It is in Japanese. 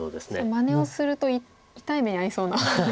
まねをすると痛い目に遭いそうな。